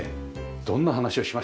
どんな話をしましたか？